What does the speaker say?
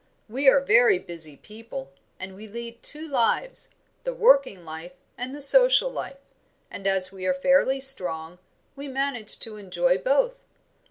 "We are very busy people, and we lead two lives, the working life and the social life; and as we are fairly strong, we manage to enjoy both.